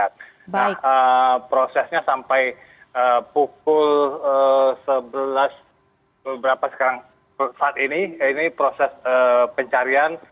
nah prosesnya sampai pukul sebelas beberapa sekarang saat ini ini proses pencarian